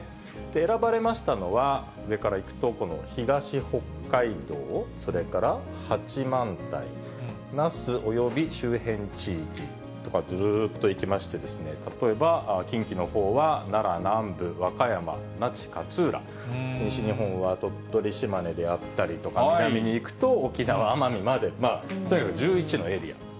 選ばれましたのは、上から行くと、この東北海道、それから八幡平、那須及び周辺地域とか、ずっといきまして、例えば、近畿のほうは奈良南部・和歌山那智勝浦、西日本は鳥取・島根であったりとか、南に行くと沖縄・奄美まで、とにかく１１のエリア。